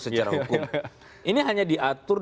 secara hukum ini hanya diatur